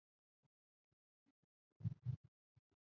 此时氧原子带正电荷。